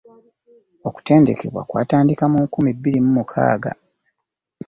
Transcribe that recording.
Okutendekebwa kwatandika mu nkumi bbiri mu mukaaga.